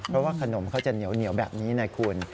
เพราะว่าขนมเขาจะเหนียวแบบนี้ไงคุณ